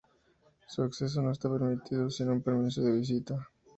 Su acceso no está permitido sin un permiso de visita.